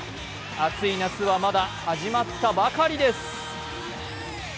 熱い夏はまだ始まったばかりです。